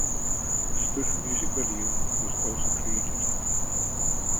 A spoof music video was also created.